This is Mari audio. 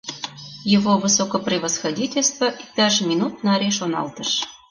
Его высокопревосходительство иктаж минут наре шоналтыш.